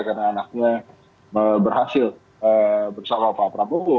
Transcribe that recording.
karena anaknya berhasil bersama pak prabowo